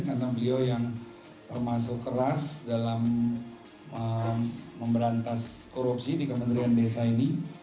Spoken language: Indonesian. karena beliau yang termasuk keras dalam memberantas korupsi di kementerian desa ini